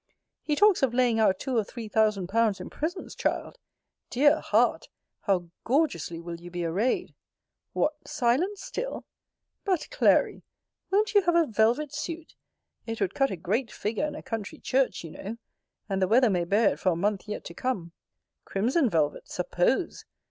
He talks of laying out two or three thousand pounds in presents, child! Dear heart! How gorgeously will you be array'd! What! silent still? But, Clary, won't you have a velvet suit? It would cut a great figure in a country church, you know: and the weather may bear it for a month yet to come. Crimson velvet, suppose!